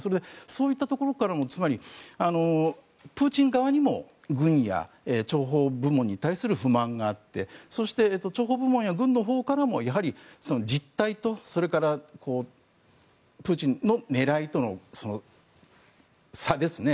そういったところからもつまり、プーチン側にも軍や諜報部門に対する不満があってそして諜報部門や軍のほうからもやはり、実態とそれからプーチンの狙いとの差ですね。